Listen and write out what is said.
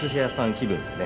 気分でね